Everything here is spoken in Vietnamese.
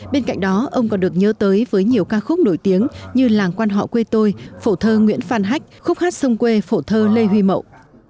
bên cạnh đó ông còn được nhớ tới với nhiều ca khúc nổi tiếng như làng quan họ quê tôi phổ thơ nguyễn phan hách khúc hát sông quê phổ thơ lê huy mậu